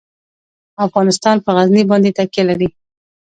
افغانستان په غزني باندې تکیه لري.